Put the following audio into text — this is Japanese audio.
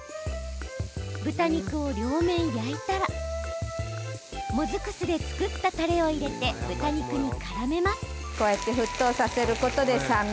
豚肉を両面焼いたらもずく酢で作った、たれを入れて豚肉にからめます。